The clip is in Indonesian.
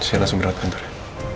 saya langsung berlatih kantornya